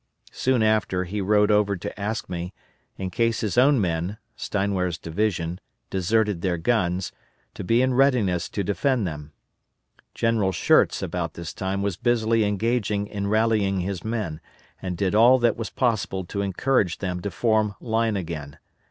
Soon after he rode over to ask me, in case his own men (Steinwehr's division) deserted their guns, to be in readiness to defend them. General Schurz about this time was busily engaged in rallying his men, and did all that was possible to encourage them to form line again.